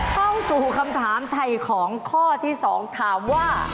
เข้าสู่คำถามไทยของข้อที่๒ถามว่า